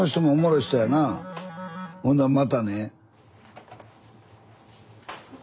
ほなまたね。